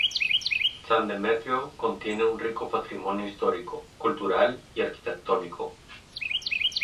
San Demetrio, contiene un rico patrimonio histórico, cultural y arquitectónico.